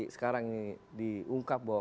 sekarang ini diungkap bahwa